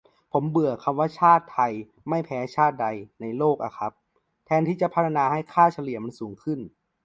ผมเบื่อคำว่าชาติไทยไม่แพ้ชาติใดในโลกอ่ะครับ แทนที่จะพัฒนาให้ค่าเฉลี่ยมันสูงขึ้น